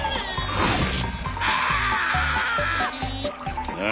ああ！